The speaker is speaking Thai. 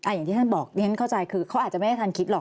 อย่างที่ท่านบอกเขาอาจจะไม่ได้ทันคิดหรอก